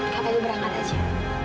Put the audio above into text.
kak fadil berangkat saja